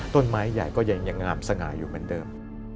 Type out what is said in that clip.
ต้นไม้ใหญ่ก็ยังงามสง่าอยู่เหมือนเดิม